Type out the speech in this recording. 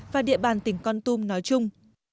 và địa bàn tỉnh con tum nói chung